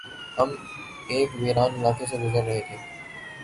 ہم ایک ویران علاقے سے گزر رہے تھے